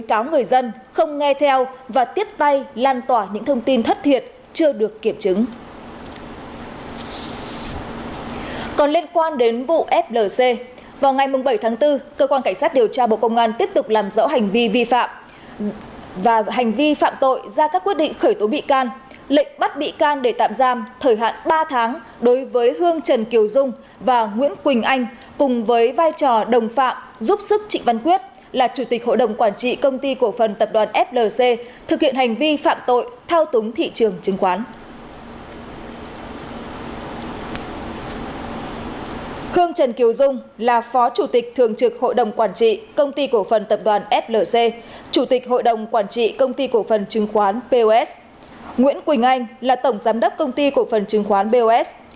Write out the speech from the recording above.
chủ tịch hội đồng quản trị công ty cổ phần tập đoàn flc chủ tịch hội đồng quản trị công ty cổ phần chứng khoán pos nguyễn quỳnh anh là tổng giám đốc công ty cổ phần chứng khoán pos